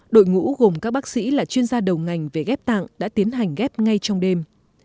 đội ngũ gồm các bác sĩ là chuyên gia đầu ngành về ghép tạng đã tiến hành ghép ngay trong đêm